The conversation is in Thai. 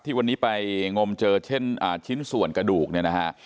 วันนี้ไปงมเจอเช่นชิ้นส่วนกระดูกเนี่ยนะฮะ